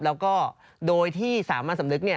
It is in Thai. แล้วก็โดยที่สามารถสำนึก